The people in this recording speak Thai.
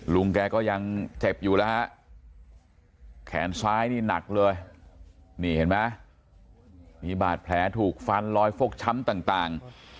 ลุงก็ยังเจ็บอยู่แหละแขนซ้ายนี้หนักเลยนี่บาดแผลถูกฟันลอยฟกช้ำต่าง